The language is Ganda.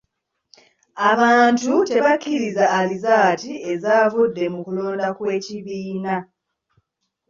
Abantu tebakkiriza alizaati ezavudde mu kulonda kw'ekibiina.